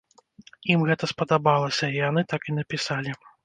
Ім гэта спадабалася, і яны так і напісалі.